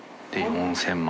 ４０００万。